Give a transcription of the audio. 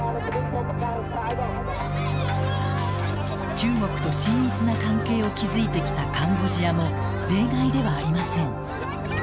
中国と親密な関係を築いてきたカンボジアも例外ではありません。